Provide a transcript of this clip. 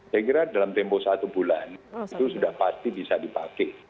saya kira dalam tempo satu bulan itu sudah pasti bisa dipakai